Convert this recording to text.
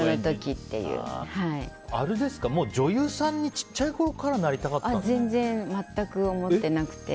もう女優さんに小さいころから全然、全く思ってなくて。